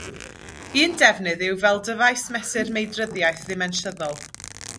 Un defnydd yw fel dyfais mesur meidryddiaeth ddimensiynol.